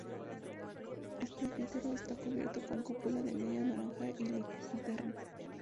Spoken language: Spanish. El presbiterio está cubierto con cúpula de media naranja y linterna.